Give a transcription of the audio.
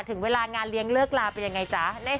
ถึงเวลางานเลี้ยงเลิกลาเป็นยังไงจ๊ะ